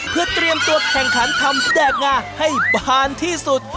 เพื่อเตรียมตัวแข่งขันทำแดกงาให้บานที่สุด